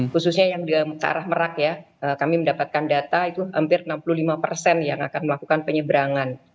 khususnya yang ke arah merak ya kami mendapatkan data itu hampir enam puluh lima persen yang akan melakukan penyeberangan